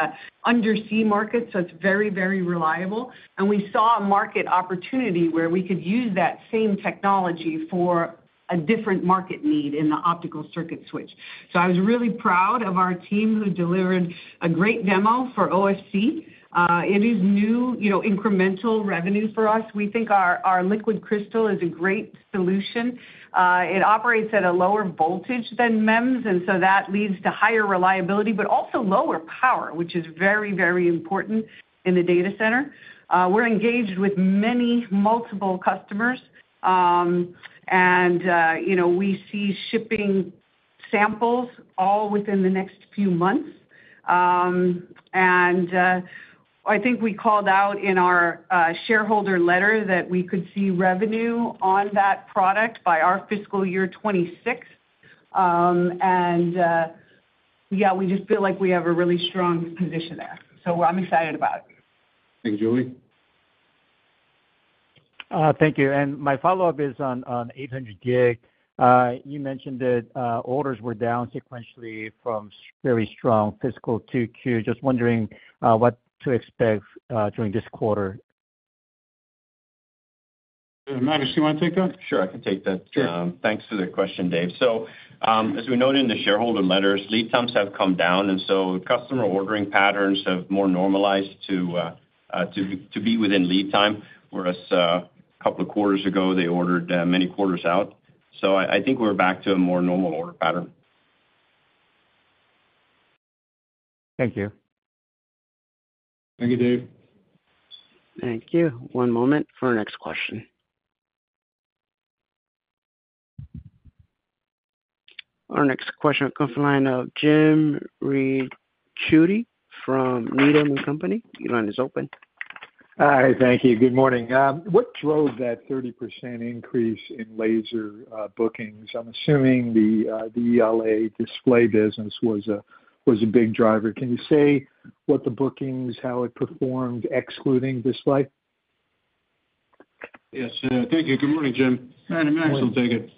undersea market, so it's very, very reliable. And we saw a market opportunity where we could use that same technology for a different market need in the optical circuit switch. So I was really proud of our team, who delivered a great demo for OFC. It is new, you know, incremental revenue for us. We think our liquid crystal is a great solution. It operates at a lower voltage than MEMS, and so that leads to higher reliability, but also lower power, which is very, very important in the data center. We're engaged with many, multiple customers. And, you know, we see shipping samples all within the next few months and—I think we called out in our shareholder letter that we could see revenue on that product by our fiscal year 2026. Yeah, we just feel like we have a really strong position there, so I'm excited about it. Thanks, Julie. Thank you. My follow-up is on 800 gig. You mentioned that orders were down sequentially from a very strong fiscal 2Q. Just wondering what to expect during this quarter? Magnus, you wanna take that? Sure, I can take that. Sure. Thanks for the question, Dave. So, as we noted in the shareholder letters, lead times have come down, and so customer ordering patterns have more normalized to be within lead time. Whereas, a couple of quarters ago, they ordered many quarters out. So I think we're back to a more normal order pattern. Thank you. Thank you, Dave. Thank you. One moment for our next question. Our next question comes from the line of Jim Ricchiuti from Needham & Company. Your line is open. Hi, thank you. Good morning. What drove that 30% increase in laser bookings? I'm assuming the ELA display business was a big driver. Can you say what the bookings, how it performed, excluding display? Yes. Thank you. Good morning, Jim. Magnus will take it.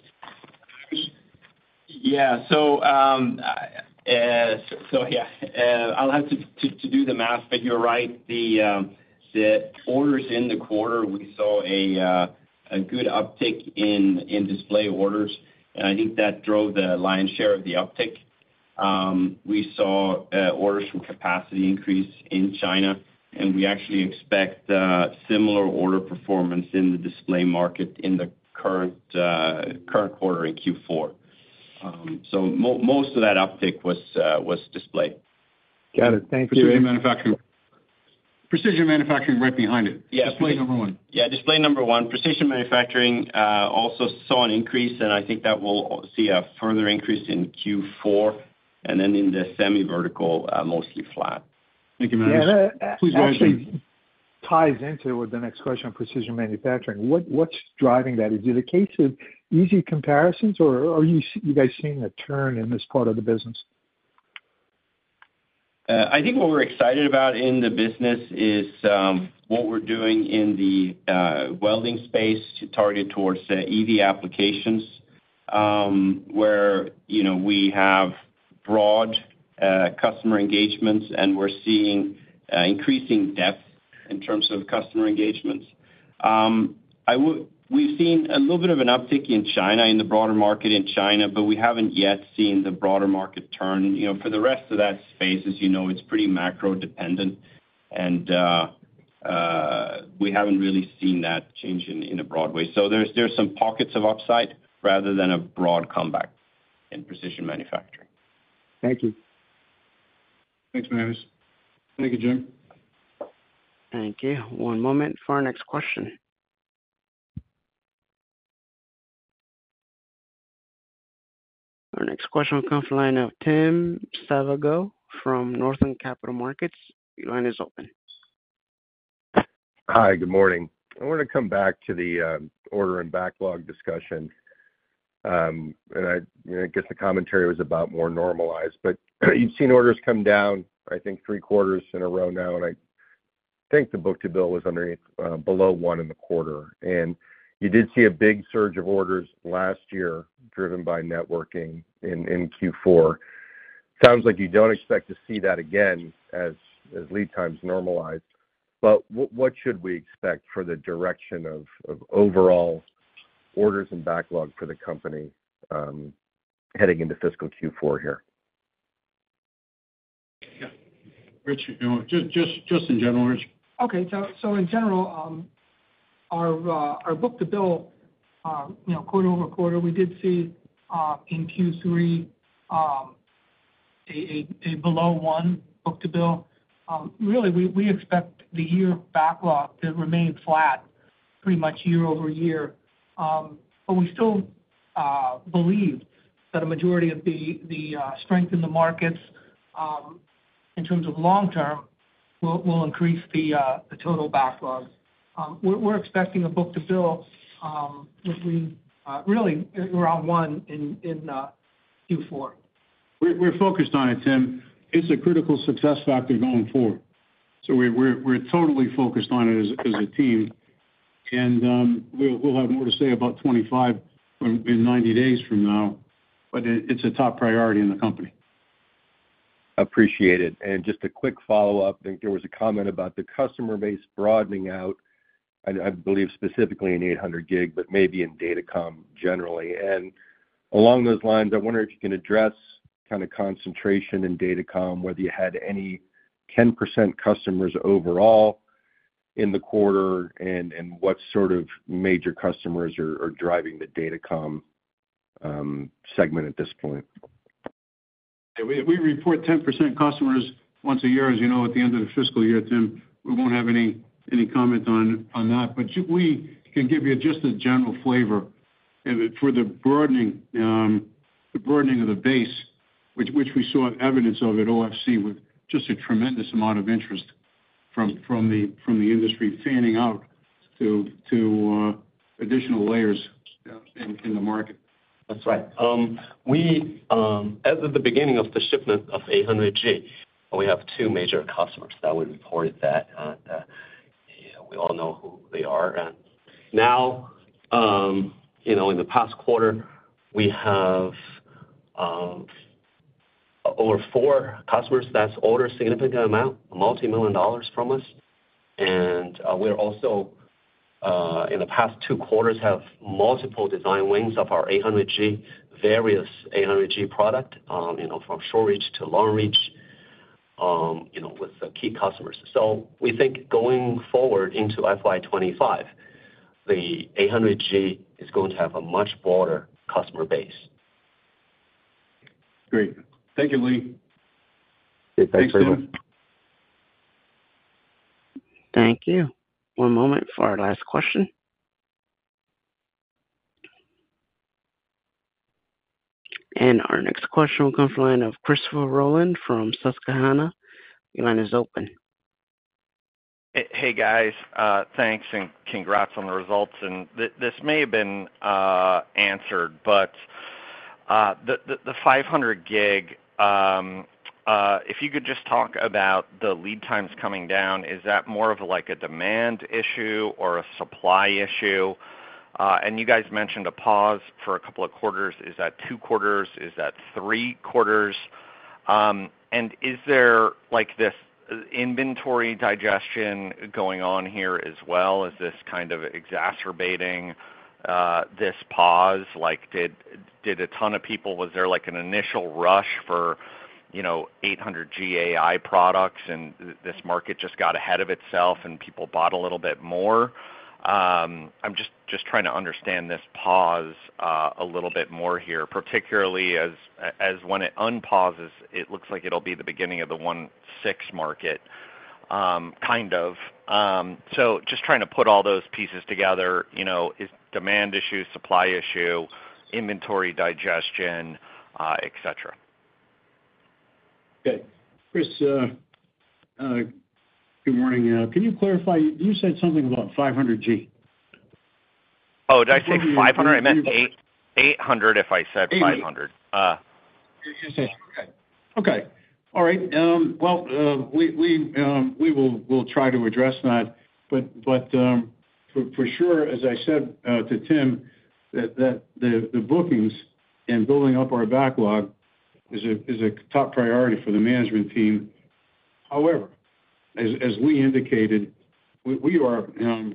Yeah. So, yeah, I'll have to do the math, but you're right. The orders in the quarter, we saw a good uptick in display orders, and I think that drove the lion's share of the uptick. We saw orders from capacity increase in China, and we actually expect similar order performance in the display market in the current quarter in Q4. So, most of that uptick was display. Got it. Thank you. Precision manufacturing. Precision manufacturing right behind it. Yes. Display, number one. Yeah, display, number one. Precision manufacturing also saw an increase, and I think that will see a further increase in Q4, and then in the semi vertical, mostly flat. Thank you, Magnus. Yeah, that actually ties into with the next question on precision manufacturing. What, what's driving that? Is it a case of easy comparisons, or are you guys seeing a turn in this part of the business? I think what we're excited about in the business is what we're doing in the welding space to target towards EV applications, where, you know, we have broad customer engagements, and we're seeing increasing depth in terms of customer engagements. We've seen a little bit of an uptick in China, in the broader market in China, but we haven't yet seen the broader market turn. You know, for the rest of that space, as you know, it's pretty macro dependent, and we haven't really seen that change in a broad way. So there's some pockets of upside rather than a broad comeback in precision manufacturing. Thank you. Thanks, Magnus. Thank you, Jim. Thank you. One moment for our next question. Our next question comes from the line of Tim Savageaux from Northland Capital Markets. Your line is open. Hi, good morning. I want to come back to the, order and backlog discussion. And I, you know, I guess the commentary was about more normalized, but you've seen orders come down, I think, three quarters in a row now, and I think the book-to-bill was underneath, below one in the quarter. And you did see a big surge of orders last year, driven by networking in, in Q4. Sounds like you don't expect to see that again as, as lead times normalize, but what, what should we expect for the direction of, of overall orders and backlog for the company, heading into fiscal Q4 here? Yeah. Rich—you know, just in general, Rich. Okay, so in general, our book-to-bill, you know, quarter-over-quarter, we did see in Q3 a below 1 book-to-bill. Really, we expect the year backlog to remain flat pretty much year-over-year. But we still believe that a majority of the strength in the markets in terms of long term will increase the total backlog. We're expecting a book-to-bill which we really around 1 in Q4. We're focused on it, Tim. It's a critical success factor going forward. So we're totally focused on it as a team. And we'll have more to say about 25 when in 90 days from now, but it's a top priority in the company. Appreciate it. Just a quick follow-up. I think there was a comment about the customer base broadening out, and I believe specifically in 800 gig, but maybe in Datacom generally. Along those lines, I wonder if you can address kind of concentration in Datacom, whether you had any 10% customers overall in the quarter, and, and what sort of major customers are, are driving the Datacom segment at this point? Yeah, we report 10% customers once a year, as you know, at the end of the fiscal year, Tim. We won't have any comment on that, but we can give you just a general flavor—and for the broadening of the base, which we saw evidence of at OFC, with just a tremendous amount of interest from the industry fanning out to additional layers, you know, in the market. That's right. We—as of the beginning of the shipment of 800G, we have two major customers that we reported that, we all know who they are. And now, you know, in the past quarter, we have, over four customers that's ordered a significant amount, $multimillion from us. And, we're also, in the past two quarters, have multiple design wins of our 800G—various 800G product, you know, from short reach to long reach, you know, with the key customers. So we think going forward into FY 2025, the 800G is going to have a much broader customer base. Great. Thank you, Lee. Okay. Thanks very much. Thank you. One moment for our last question. Our next question will come from the line of Christopher Rolland from Susquehanna. Your line is open. Hey, guys, thanks, and congrats on the results. This may have been answered, but the 500G, if you could just talk about the lead times coming down, is that more of like a demand issue or a supply issue? And you guys mentioned a pause for a couple of quarters. Is that 2 quarters? Is that 3 quarters? And is there like this inventory digestion going on here as well? Is this kind of exacerbating this pause? Like, did a ton of people, was there like an initial rush for, you know, 800G AI products, and this market just got ahead of itself, and people bought a little bit more? I'm just trying to understand this pause a little bit more here, particularly as when it unpauses, it looks like it'll be the beginning of the 1.6 market, kind of. So just trying to put all those pieces together, you know, is demand issue, supply issue, inventory digestion, et cetera. Okay. Chris, good morning. Can you clarify? You said something about 500G. Oh, did I say 500? I meant eight- 800, if I said 500. Okay. All right. Well, we will try to address that, but for sure, as I said to Tim, the bookings and building up our backlog is a top priority for the management team. However, as we indicated, we are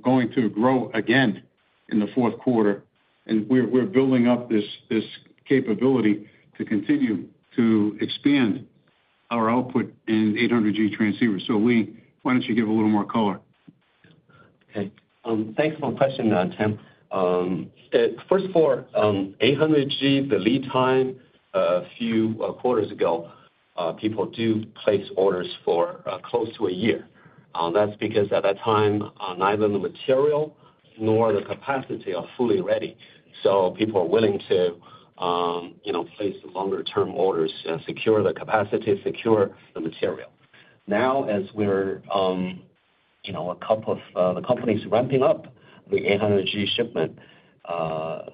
going to grow again in the fourth quarter, and we're building up this capability to continue to expand our output in 800G transceivers. So Lee, why don't you give a little more color? Okay. Thanks for the question, Tim. First for 800G, the lead time, a few quarters ago, people do place orders for close to a year. That's because at that time, neither the material nor the capacity are fully ready. So people are willing to, you know, place longer term orders, secure the capacity, secure the material. Now, as we're, you know, the company's ramping up the 800G shipment.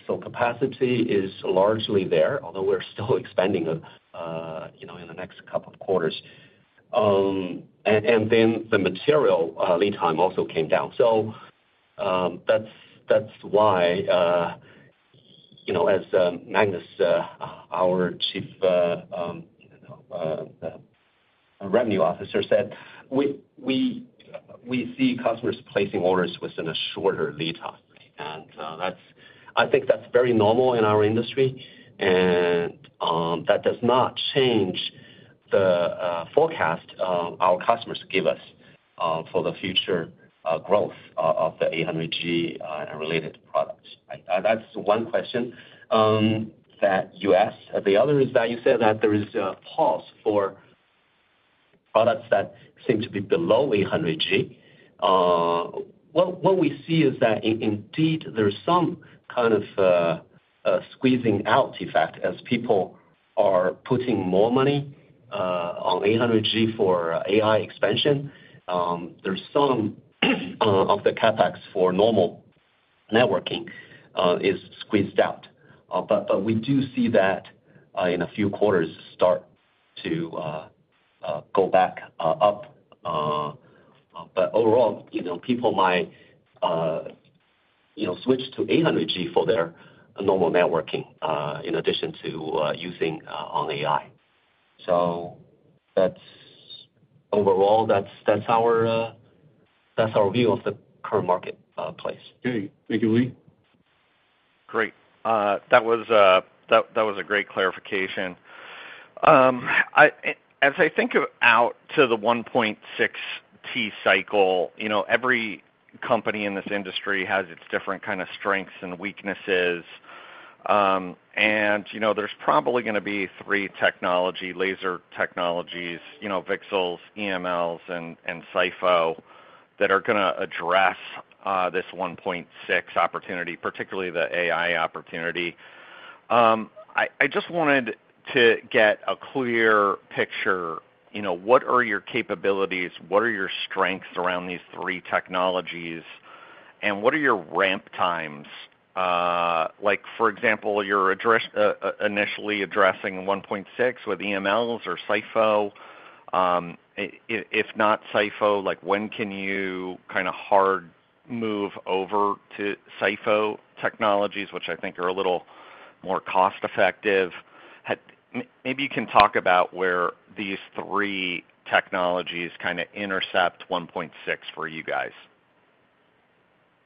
So capacity is largely there, although we're still expanding, you know, in the next couple of quarters. And then the material lead time also came down. So, that's, that's why, you know, as Magnus, our chief revenue officer said, we see customers placing orders within a shorter lead time. And, that's. I think that's very normal in our industry, and, that does not change the forecast our customers give us for the future growth of the 800G and related products. That's one question that you asked. The other is that you said that there is a pause for products that seem to be below 800G. What we see is that indeed there is some kind of a squeezing out effect as people are putting more money on 800G for AI expansion. There's some of the CapEx for normal networking is squeezed out. But we do see that in a few quarters start to go back up. But overall, you know, people might, you know, switch to 800G for their normal networking, in addition to using on AI. So that's overall our view of the current marketplace. Okay. Thank you, Lee. Great. That was a great clarification. As I think out to the 1.6T cycle, you know, every company in this industry has its different kind of strengths and weaknesses. And, you know, there's probably gonna be three technology, laser technologies, you know, VCSELs, EMLs, and SiPh... that are gonna address this 1.6T opportunity, particularly the AI opportunity. I just wanted to get a clear picture, you know, what are your capabilities? What are your strengths around these three technologies, and what are your ramp times? Like for example, you're initially addressing 1.6T with EMLs or SiPh. If not SiPh, like, when can you kind of hard move over to SiPh technologies, which I think are a little more cost-effective? Maybe you can talk about where these three technologies kind of intercept 1.6 for you guys.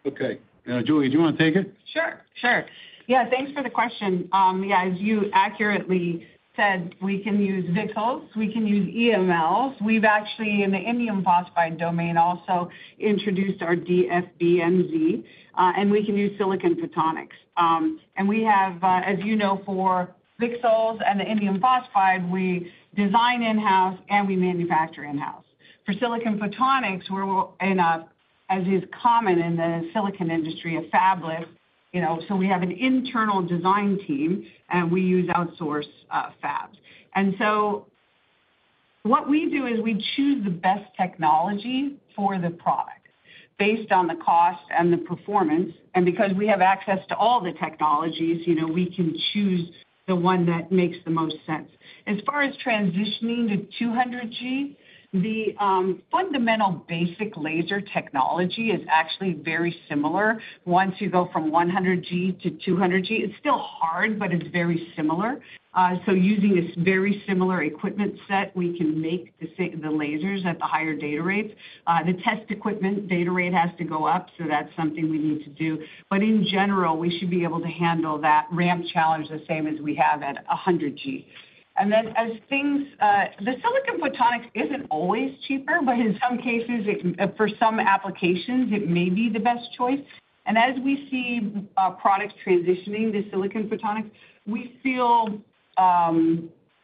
Okay. Julie, do you wanna take it? Sure, sure. Yeah, thanks for the question. Yeah, as you accurately said, we can use VCSELs, we can use EMLs. We've actually, in the indium phosphide domain, also introduced our DFB-MZ, and we can use silicon photonics. And we have, as you know, for VCSELs and the indium phosphide, we design in-house, and we manufacture in-house. For silicon photonics, we're well in, as is common in the silicon industry, a fabless, you know, so we have an internal design team, and we use outsourced fabs. And so what we do is we choose the best technology for the product based on the cost and the performance, and because we have access to all the technologies, you know, we can choose the one that makes the most sense. As far as transitioning to 200G, the fundamental basic laser technology is actually very similar. Once you go from 100G to 200G, it's still hard, but it's very similar. So using this very similar equipment set, we can make the lasers at the higher data rates. The test equipment data rate has to go up, so that's something we need to do. But in general, we should be able to handle that ramp challenge the same as we have at 100G. And then, as things, the silicon photonics isn't always cheaper, but in some cases, it can, for some applications, it may be the best choice. And as we see, products transitioning to silicon photonics, we feel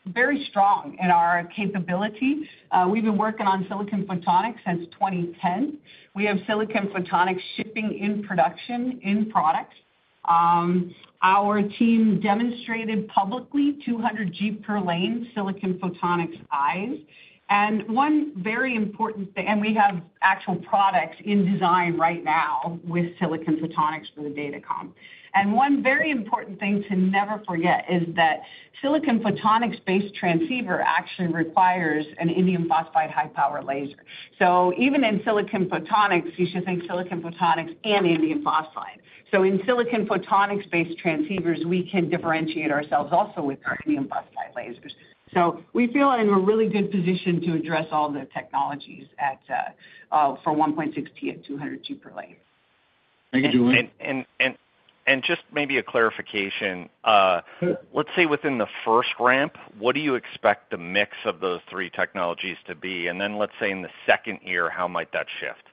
very strong in our capability. We've been working on silicon photonics since 2010. We have silicon photonics shipping in production, in products. Our team demonstrated publicly 200G per lane silicon photonics eyes. And one very important thing—and we have actual products in design right now with silicon photonics for the Datacom. And one very important thing to never forget is that silicon photonics-based transceiver actually requires an indium phosphide high-power laser. So even in silicon photonics, you should think silicon photonics and indium phosphide. So in silicon photonics-based transceivers, we can differentiate ourselves also with our indium phosphide lasers. So we feel in a really good position to address all the technologies at—for 1.6T and 200G per lane. Thank you, Julie. Just maybe a clarification. Sure. Let's say within the first ramp, what do you expect the mix of those three technologies to be? And then, let's say, in the second year, how might that shift?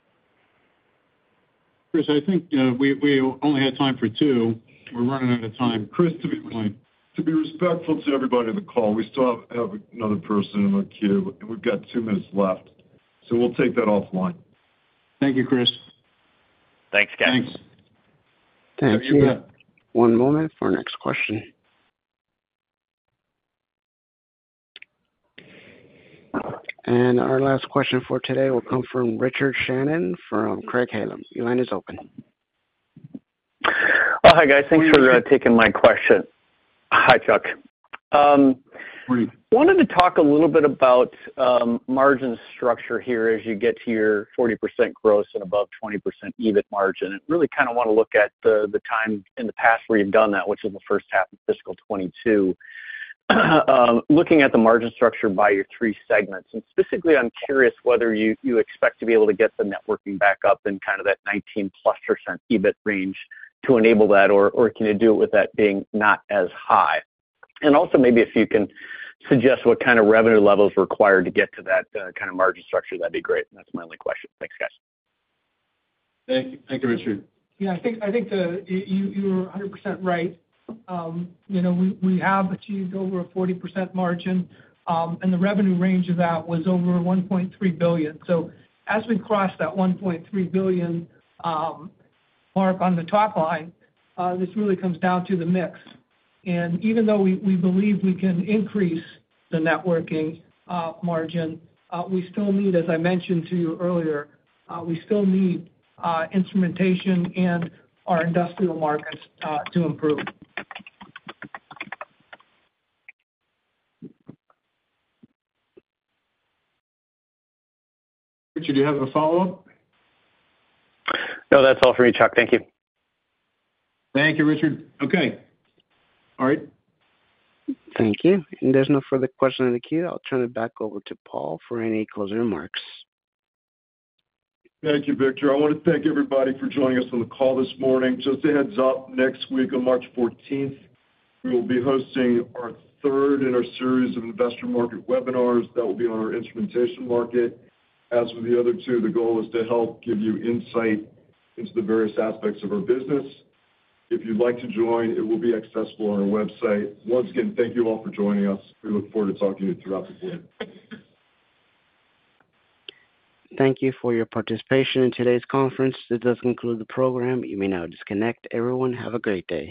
Chris, I think, we only have time for two. We're running out of time. Chris to be respectful to everybody on the call, we still have another person in the queue, and we've got 2 minutes left, so we'll take that offline. Thank you, Chris. Thanks, guys. Thanks. Thanks. One moment for our next question. Our last question for today will come from Richard Shannon from Craig-Hallum. Your line is open. Oh, hi, guys. Thanks for taking my question. Hi, Chuck. Good morning. Wanted to talk a little bit about margin structure here as you get to your 40% gross and above 20% EBIT margin. And really kind of want to look at the, the time in the past where you've done that, which is the first half of fiscal 2022. Looking at the margin structure by your three segments, and specifically, I'm curious whether you, you expect to be able to get the networking back up in kind of that 19%+ EBIT range to enable that, or, or can you do it with that being not as high? And also, maybe if you can suggest what kind of revenue level is required to get to that kind of margin structure, that'd be great. And that's my only question. Thanks, guys. Thank you. Thank you, Richard. Yeah, I think, I think the... You, you're 100% right. You know, we, we have achieved over a 40% margin, and the revenue range of that was over $1.3 billion. So as we cross that $1.3 billion mark on the top line, this really comes down to the mix. And even though we, we believe we can increase the networking margin, we still need, as I mentioned to you earlier, we still need instrumentation and our industrial markets to improve. Richard, do you have a follow-up? No, that's all for me, Chuck. Thank you. Thank you, Richard. Okay. All right. Thank you. There's no further question in the queue. I'll turn it back over to Paul for any closing remarks. Thank you, Victor. I want to thank everybody for joining us on the call this morning. Just a heads-up, next week, on March fourteenth, we will be hosting our third in our series of investor market webinars. That will be on our instrumentation market. As with the other two, the goal is to help give you insight into the various aspects of our business. If you'd like to join, it will be accessible on our website. Once again, thank you all for joining us. We look forward to talking to you throughout the year. Thank you for your participation in today's conference. This does conclude the program. You may now disconnect. Everyone, have a great day.